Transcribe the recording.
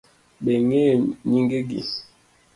Be ing'eyo nyingegi?